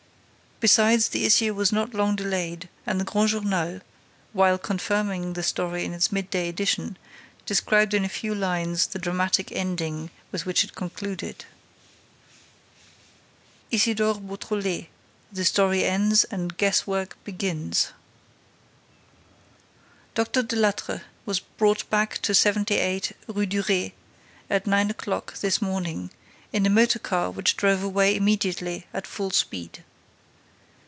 Besides, the issue was not long delayed and the Grand Journal, while confirming the story in its midday edition, described in a few lines the dramatic ending with which it concluded: THE STORY ENDS AND GUESS WORK BEGINS Dr. Delattre was brought back to 78, Rue Duret, at nine o'clock this morning, in a motor car which drove away immediately at full speed.